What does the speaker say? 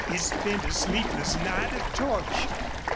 He spent a sleepless night of torture.